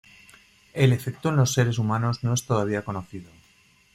El efecto en los seres humanos no es todavía conocido.